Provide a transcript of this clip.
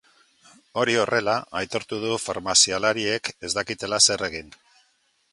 Hori horrela, aitortu du farmazialariek ez dakitela zer egin.